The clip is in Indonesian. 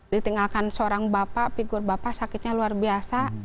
ditinggalkan seorang bapak figur bapak sakitnya luar biasa